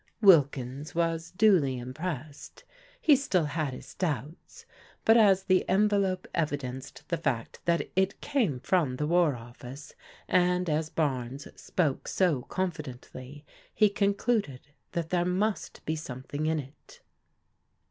" Wilkins was duly impressed. He still had his doubts, but as the envelope evidenced the fact that it came from the War OfEce and as Barnes spoke so confidently, he concluded that there must be something in it.